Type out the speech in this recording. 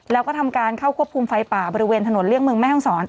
แล้วก็ทำการเข้าควบคุมไฟป่าบริเวณถนนเลี่ยงเมืองแม่ห้องศร